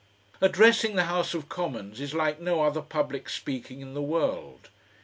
Addressing the House of Commons is like no other public speaking in the world.